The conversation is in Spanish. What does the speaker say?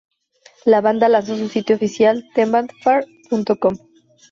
La banda lanzó su sitio oficial en thebandfar.com.